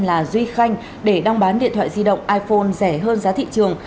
là duy khanh để đong bán điện thoại di động iphone rẻ hơn giá thị trường